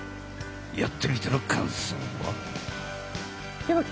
やってみての感想は？